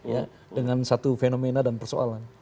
ya dengan satu fenomena dan persoalan